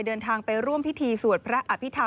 เดินทางไปร่วมพิธีสวดพระอภิษฐรร